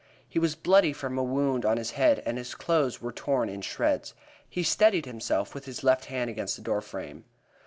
He was bloody from a wound on his head, and his clothes were torn in shreds. He steadied himself with his left hand against the door frame.